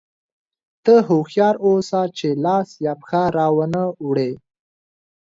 ته هوښیار اوسه چې لاس یا پښه را وانه وړې.